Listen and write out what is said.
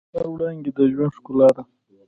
د لمر وړانګې د ژوند ښکلا ده.